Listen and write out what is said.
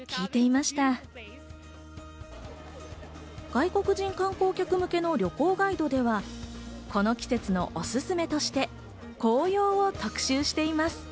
外国人観光客向けの旅行ガイドでは、この季節のおすすめとして、紅葉を特集しています。